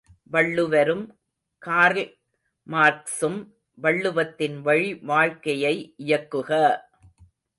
வள்ளுவரும் கார்ல்மார்க்சும் வள்ளுவத்தின் வழி வாழ்க்கையை இயக்குக!